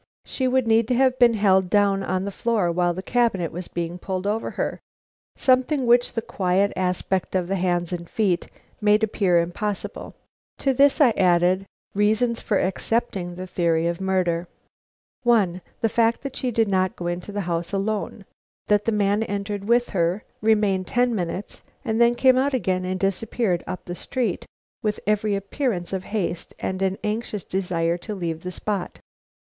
_ She would need to have been held down on the floor while the cabinet was being pulled over on her; something which the quiet aspect of the hands and feet made appear impossible. To this I added: Reasons for accepting the theory of murder. 1. The fact that she did not go into the house alone; that a man entered with her, remained ten minutes, and then came out again and disappeared up the street with every appearance of haste and an anxious desire to leave the spot.